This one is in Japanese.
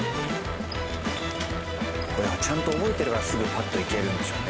これをちゃんと覚えてるからすぐパッと行けるんでしょうね。